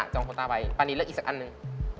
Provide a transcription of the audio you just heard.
จองโคตรไปปลานินเลือกอีกสักอันหนึ่ง